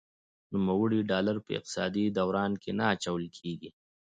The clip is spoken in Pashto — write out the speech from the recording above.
نوموړي ډالر په اقتصادي دوران کې نه اچول کیږي.